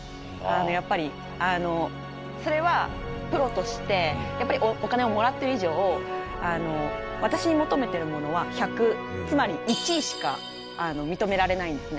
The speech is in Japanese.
やっぱりそれは、プロとして、やっぱりお金をもらってる以上、私に求めているものは１００、つまり１位しか認められないんですね。